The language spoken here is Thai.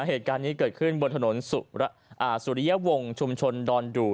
เหตุการณ์นี้เกิดขึ้นบนถนนสุริยวงศ์ชุมชนดอนดู